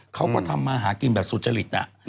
เขาก็ทำมาหากินแบบสุจริต